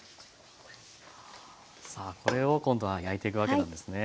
さあこれを今度は焼いていくわけなんですね。